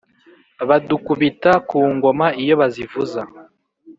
badukubita ku ngoma iyo bazivuza”